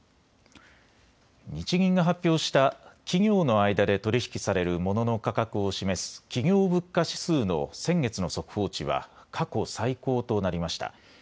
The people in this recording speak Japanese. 日銀が発表した企業の間で取り引きされるモノの価格を示す企業物価指数の先月の速報値は過去最高となりました。